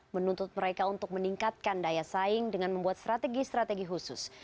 menuntut mereka untuk meningkatkan daya saing dengan membuat strategi strategi khusus